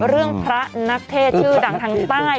เรื่องพระนักเทศชื่อดังทางใต้